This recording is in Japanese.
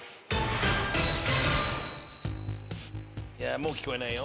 もう聞こえないよ。